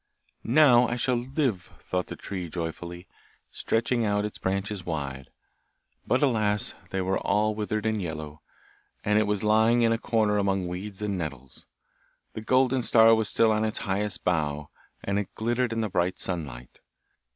'Now I shall live,' thought the tree joyfully, stretching out its branches wide; but, alas! they were all withered and yellow; and it was lying in a corner among weeds and nettles. The golden star was still on its highest bough, and it glittered in the bright sunlight.